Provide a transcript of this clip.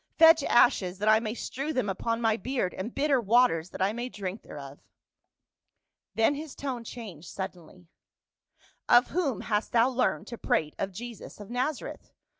Fetch ashes that I may strew them upon my beard, and bitter waters that I may drink thereof." Then his tone changed sud denly, " Of whom hast thou learned to prate of Jesus of Nazareth